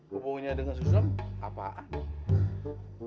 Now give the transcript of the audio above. hubungannya dengan sulam apaan